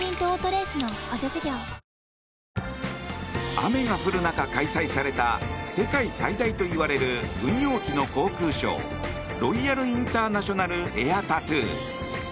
雨が降る中、開催された世界最大といわれる軍用機の航空ショーロイヤル・インターナショナル・エア・タトゥー。